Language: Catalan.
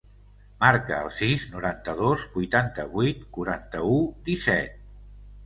Marca el sis, noranta-dos, vuitanta-vuit, quaranta-u, disset.